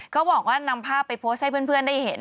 ก็บอกว่านำภาพไปโพสต์ให้เพื่อนได้เห็น